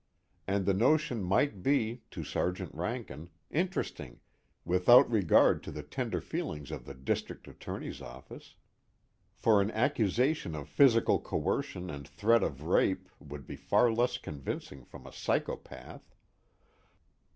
And the notion might be, to Sergeant Rankin, interesting, without regard to the tender feelings of the District Attorney's office. For an accusation of physical coercion and threat of rape would be far less convincing from a psychopath.